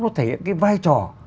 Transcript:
nó thể hiện cái vai trò